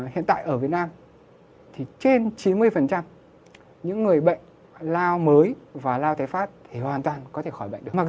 hiện tại ở việt nam thì trên chín mươi những người bệnh lao mới và lao tới phát thì hoàn toàn có thể khỏi bệnh được mang